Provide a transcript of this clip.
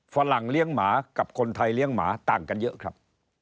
ฝรั่งเลี้ยงหมากับคนไทยเลี้ยงหมาต่างกันเยอะครับ